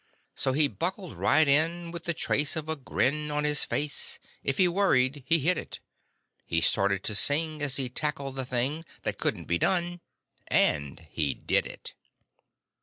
So he buckled right in with the trace of a grin On his face. If he worried he hid it. He started to sing as he tackled the thing That couldn't be done, and he did it.